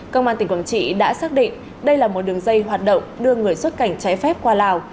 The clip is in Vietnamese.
công an tỉnh quảng trị đã xác định đây là một đường dây hoạt động đưa người xuất cảnh trái phép qua lào